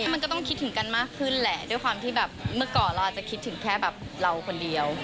มันก็ต้องคิดถึงกันมากขึ้นแหละด้วยความที่แบบเมื่อก่อนเราอาจจะคิดถึงแค่แบบเราคนเดียว